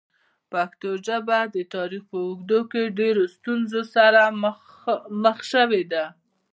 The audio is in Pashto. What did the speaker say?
پښتو ژبه د تاریخ په اوږدو کې ډېرو ستونزو سره مخ شوې ده.